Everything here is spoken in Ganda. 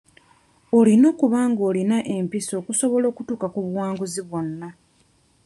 Olina okuba ng'olina empisa okusobola okutuuka ku buwanguzi bwonna